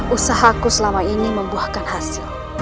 usahaku selama ini membuahkan hasil